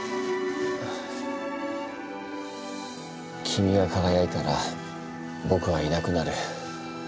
君が輝いたら僕はいなくなる。